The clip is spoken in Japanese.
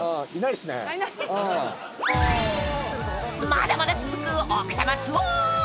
［まだまだ続く奥多摩ツアー］